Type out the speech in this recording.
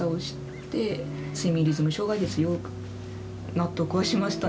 納得はしましたね。